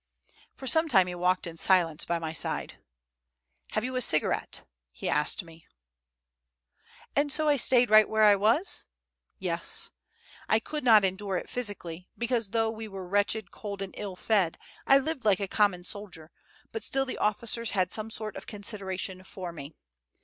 For some time he walked in silence by my side. "Have you a cigarette?" [Footnote: "Avez vous un papiros?"] he asked me. "And so I stayed right where I was? Yes. I could not endure it physically, because, though we were wretched, cold, and ill fed, I lived like a common soldier, but still the officers had some sort of consideration for me.